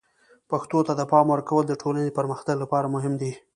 پښتو ته د پام ورکول د ټولنې د پرمختګ لپاره مهم دي.